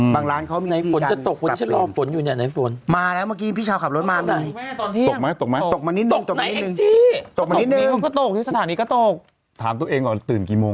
บางร้านเขามีที่กันกับเปลี่ยน